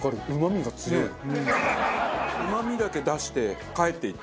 うまみだけ出して帰っていった。